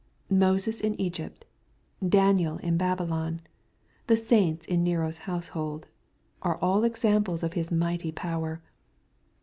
Moses in Egypt, Daniel in Babylon, the saints in Nero's household, are all examples of His mighty power.